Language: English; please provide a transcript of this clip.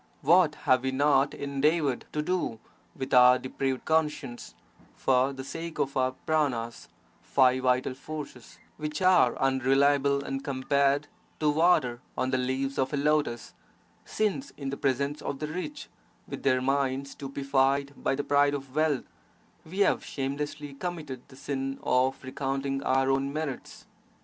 What have we not endeavoured to do, with our depraved conscience, for the sake of our pranas (five vital forces) which are unreliable and compared to water on the leaves of a lotus, since in the presence of the rich, with their minds stupefied by the pride of wealth, we have shamelessly committed the sin of recounting our own merits!